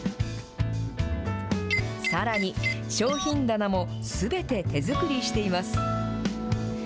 さらに、商品棚もすべて手作りしています。